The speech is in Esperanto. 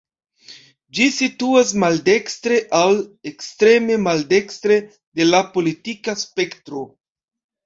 Ĝi situas maldekstre, aŭ ekstreme maldekstre de la politika spektro.